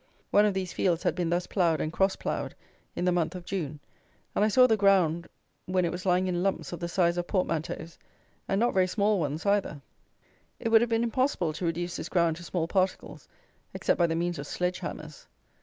One of these fields had been thus ploughed and cross ploughed in the month of June, and I saw the ground when it was lying in lumps of the size of portmanteaus, and not very small ones either. It would have been impossible to reduce this ground to small particles, except by the means of sledge hammers.